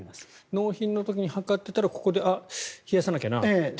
納品の時に測っていたらここで、あ、冷やさなきゃなと。